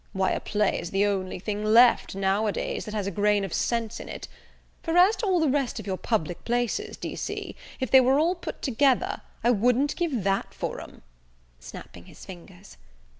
Why, a play is the only thing left, now a days, that has a grain of sense in it; for as to all the rest of your public places, d'ye see, if they were all put together, I wouldn't give that for 'em!" (snapping his fingers.)